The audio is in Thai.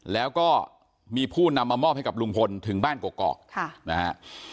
แล้วก็มีผู้นำมามอบให้กับลุงพลถึงบ้านกอกนะฮะ